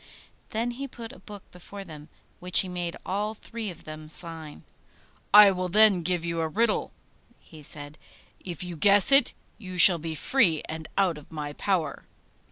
Then he put a book before them, which he made all three of them sign. 'I will then give you a riddle,' he said; 'if you guess it, you shall be free and out of my power.